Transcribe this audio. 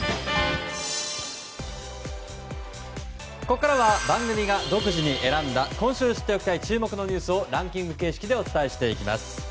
ここからは番組が独自に選んだ今週知っておきたい注目のニュースをランキング形式でお伝えしていきます。